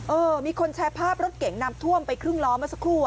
เออมีคนแชร์ภาพรถเก่งนำท่วมไปครึ่งล้อเมื่อสักครู่